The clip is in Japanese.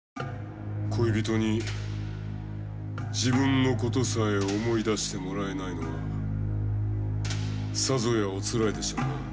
恋人に自分のことさえ思い出してもらえないのはさぞや、おつらいでしょうな。